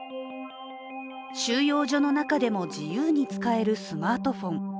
収容所の中でも自由に使えるスマートフォン。